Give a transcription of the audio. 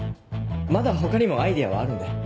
まだ他にもアイデアはあるんで。